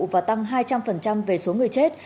và tăng hai trăm linh về số người chết